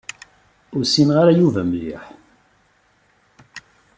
Ur ssineɣ ara Yuba mliḥ.